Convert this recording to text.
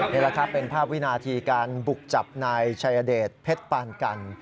นี่แหละครับเป็นภาพวินาทีการบุกจับนายชัยเดชเพชรปานกัน